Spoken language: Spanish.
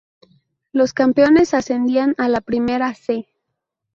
Los campeones ascendían a la Primera "C".